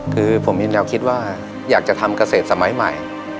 คือผมมีแนวคิดว่าอยากจะทำเกษตรสมัยใหม่